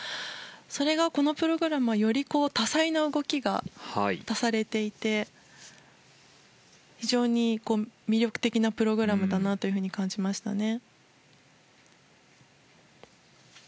それがこのプログラムはより多彩な動きが足されていて非常に魅力的なプログラムだなと感じましたね。